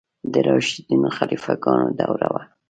د راشدینو خلیفه ګانو دوره وه.